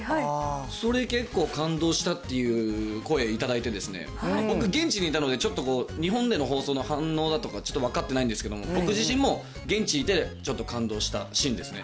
それ結構、感動したっていう声、いただいて、僕、現地にいたので、日本での放送の反応だとかちょっと分かってないんですけど、僕自身も現地にいて、ちょっと感動したシーンですね。